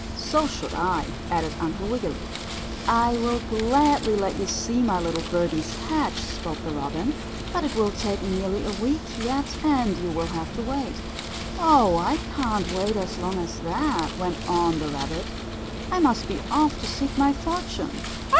"So should I," added Uncle Wiggily. "I will gladly let you see my little birdies hatch," spoke the robin, "but it will take nearly a week yet, and you will have to wait." "Oh, I can't wait as long as that," went on the rabbit. "I must be off to seek my fortune."